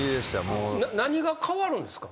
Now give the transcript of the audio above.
何が変わるんですか？